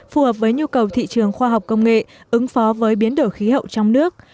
phù hợp với nhu cầu thị trường khoa học công nghệ ứng phó với biến đổi khí hậu trong nước